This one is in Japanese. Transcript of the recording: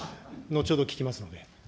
後ほど聞きますので。